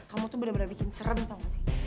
kamu tuh bener bener bikin serem tau gak sih